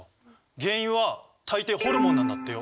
原因は大抵ホルモンなんだってよ！